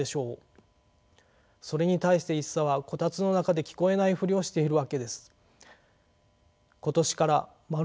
それに対して一茶は炬燵の中で聞こえないふりをしているわけです。